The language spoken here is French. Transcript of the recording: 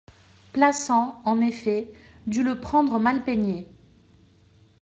Plassans, en effet, dut le prendre mal peigné.